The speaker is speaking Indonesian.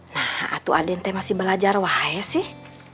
nah aku adeknya masih belajar wahai sih